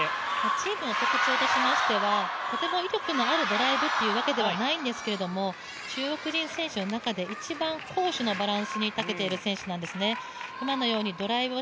特徴としましてはとても威力のあるドライブというわけではないんですけれども中国人選手の中で攻守のバランスがたけている選手なんですよね。